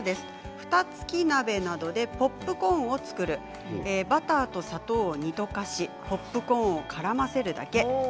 ふた付き鍋などでポップコーンを作るバターと砂糖を煮溶かしポップコーンをからませるだけ。